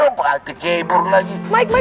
mending kita samperin aja sekarang